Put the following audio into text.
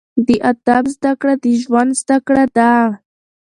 د ادب زده کړه، د ژوند زده کړه ده.